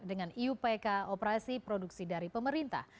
dengan iupk operasi produksi dari pemerintah